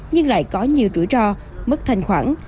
nhưng lại có nhiều rủi ro mất thành khoản